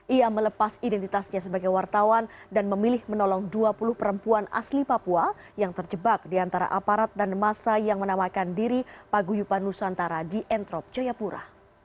ia melepas identitasnya sebagai wartawan dan memilih menolong dua puluh perempuan asli papua yang terjebak di antara aparat dan masa yang menamakan diri paguyupan nusantara di entrop jayapura